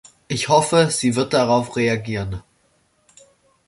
Ich hoffe, sie wird darauf reagieren.